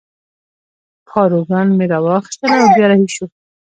پاروګان مې را واخیستل او بیا رهي شوو.